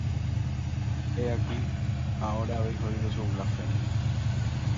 He aquí, ahora habéis oído su blasfemia.